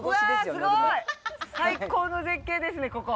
すごい！最高の絶景ですね、ここ。